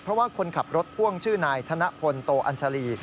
เพราะว่าคนขับรถพ่วงชื่อนายธนพลโตอัญชาลี